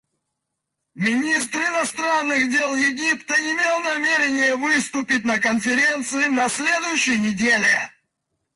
Министр иностранных дел Египта имел намерение выступить на Конференции на следующей неделе.